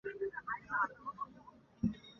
高糖高盐不运动